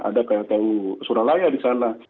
ada ktu suralaya di sana